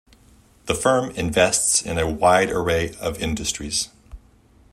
The firm invests in a wide array of industries.